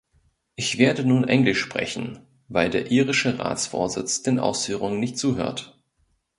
Ich werde nun Englisch sprechen, weil der irische Ratsvorsitz den Ausführungen nicht zuhört.